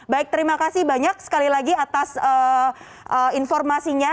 baik terima kasih banyak sekali lagi atas informasinya